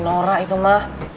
nora itu mah